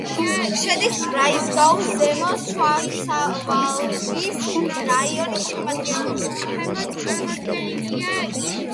შედის ბრაისგაუ-ზემო შვარცვალდის რაიონის შემადგენლობაში.